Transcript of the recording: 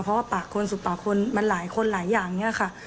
เพราะว่าปากคนสู่ปากคนมันหลายคนหลายอย่างเนี่ยค่ะ